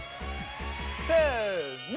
せの。